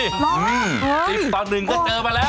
๑๐ต่อ๑ก็เจอมาแล้ว